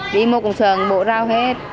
đi một cùng sờn bộ rau hết